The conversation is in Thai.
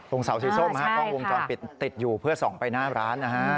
เสาสีส้มฮะกล้องวงจรปิดติดอยู่เพื่อส่องไปหน้าร้านนะฮะ